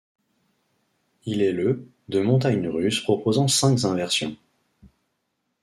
Il est le de montagnes russes proposant cinq inversions.